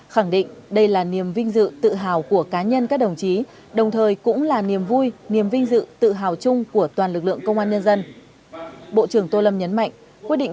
khẳng định đây là niềm vinh dự tự hào của cá nhân các đồng chí đồng thời cũng là niềm vui niềm vinh dự tự hào chung của toàn lực lượng công an nhân dân